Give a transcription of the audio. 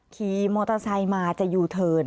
ขี่มอเตอร์ไซค์มาจะยูเทิร์น